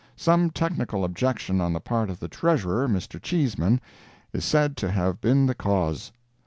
Some technical objection on the part of the Treasurer, Mr. Cheesman, is said to have been the cause.